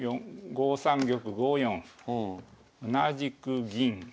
５三玉５四歩同じく銀